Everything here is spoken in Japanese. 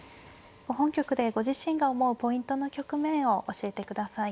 本局でご自身が思うポイントの局面を教えてください。